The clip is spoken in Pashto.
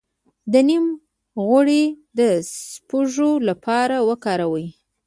د نیم غوړي د سپږو لپاره وکاروئ